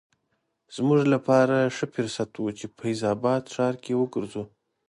زموږ لپاره ښه فرصت و چې فیض اباد ښار کې وګرځو.